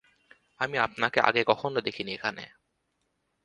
আমি আপনাকে আগে কখনো দেখিনি এখানে।